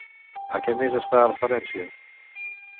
A què més es fa referència?